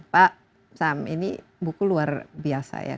pak sam ini buku luar biasa ya